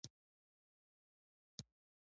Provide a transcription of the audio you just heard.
ده یې زمانه درې سوه کاله پخوا بللې وه.